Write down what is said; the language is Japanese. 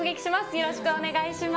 よろしくお願いします。